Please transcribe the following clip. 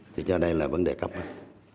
thì cho đây là vấn đề cấp bắt